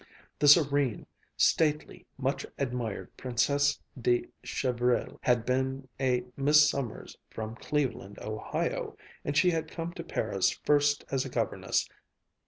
The serene, stately, much admired Princesse de Chevrille had been a Miss Sommers from Cleveland, Ohio, and she had come to Paris first as a governess.